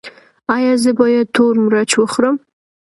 ایا زه باید تور مرچ وخورم؟